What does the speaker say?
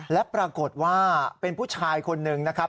และปรากฏว่าเป็นผู้ชายคนหนึ่งนะครับ